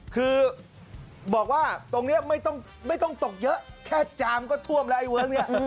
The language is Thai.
คือบอกว่าตรงนี้ไม่ต้องตกเยอะแค่จามก็ท่วมแล้วไอ้เวิร์คเนี่ย